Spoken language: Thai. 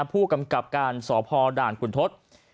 ผู้กำกับการสพด่านคุณทศ